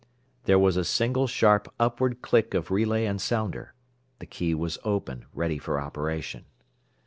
There was a single sharp upward click of relay and sounder. The key was "open," ready for operation.